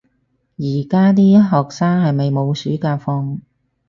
而家啲學生係咪冇暑假放